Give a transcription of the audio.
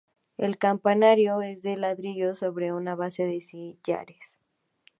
El campanario es de ladrillo, sobre una base de sillares.